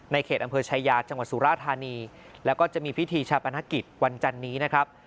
เขตอำเภอชายาจังหวัดสุราธานีแล้วก็จะมีพิธีชาปนกิจวันจันนี้นะครับ